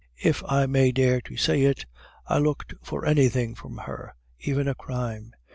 If I may dare to say it, I looked for anything from her, even a crime.